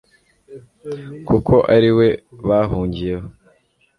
kuko ari we bahungiyeho